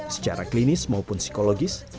secara klinis maupun psikologis